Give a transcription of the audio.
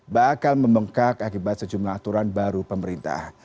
bakal membengkak akibat sejumlah aturan baru pemerintah